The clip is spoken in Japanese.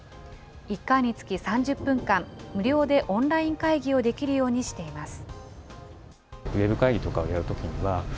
１回につき３０分間、無料でオンライン会議をできるようにしています。